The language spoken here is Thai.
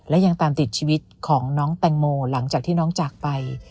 และยังตามติดชีวิตของน้องแตงโมหลังจากที่น้องจากไป